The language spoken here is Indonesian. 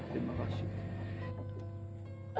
terima kasih ibu